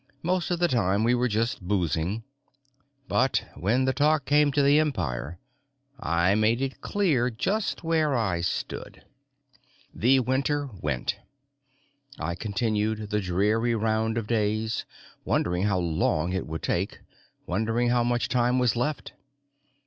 Most of the time we were just boozing. But when the talk came to the Empire, I made it clear just where I stood. The winter went. I continued the dreary round of days, wondering how long it would take, wondering how much time was left.